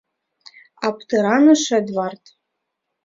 — аптыраныш Эдвард.